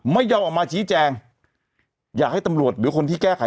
ไม่ยอมออกมาฉี